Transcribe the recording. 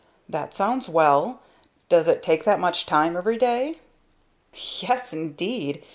"That sounds well. Does it take that much time every day?" "Yes, indeed!